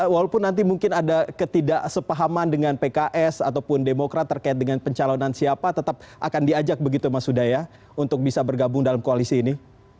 walaupun nanti mungkin ada ketidaksepahaman dengan pks ataupun demokrat terkait dengan pencalonan siapa tetap akan diajak begitu mas huda ya untuk bisa bergabung dalam koalisi ini